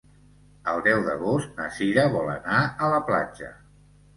El deu d'agost na Sira vol anar a la platja.